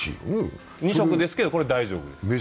２色ですけど、これは大丈夫。